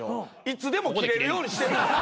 いつでも切れるようにしてるんす。